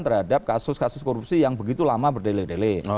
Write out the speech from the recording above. terhadap kasus kasus korupsi yang begitu lama berdele dele